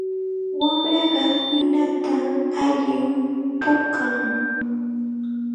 Wamraqa ninata allim puukan.